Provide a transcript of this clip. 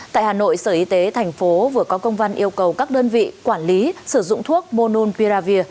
tại hà nội sở y tế thành phố vừa có công văn yêu cầu các đơn vị quản lý sử dụng thuốc monun piravir